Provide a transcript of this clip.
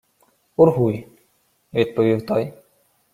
— Ургуй, — відповів той.